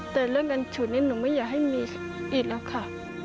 แต่เรื่องการฉุดนี้หนูไม่อยากให้มีอีกแล้วค่ะ